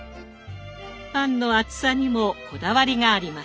パンの厚さにもこだわりがあります。